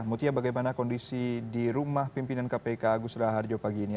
mutia bagaimana kondisi di rumah pimpinan kpk agus raharjo pagi ini